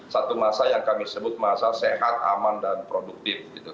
satu masa yang kami sebut masa sehat aman dan produktif